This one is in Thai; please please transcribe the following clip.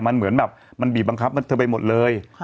มันเหมือนแบบมันบีบบังคับเธอไปหมดเลย